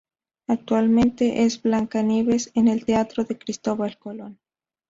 Actualmente es Blancanieves en el Teatro de Cristóbal Colón